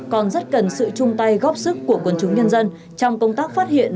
còn rất cần sự chung tay góp sức của quần chúng nhân dân trong công tác phát hiện